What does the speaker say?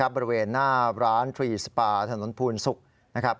บริเวณหน้าร้านทรีย์สปาถนนพูนศุกร์